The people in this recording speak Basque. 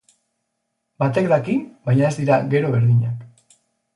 Batek daki, baina ez dira, gero, berdinak.